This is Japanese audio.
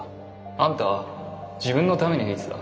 あんたは自分のために弾いてた。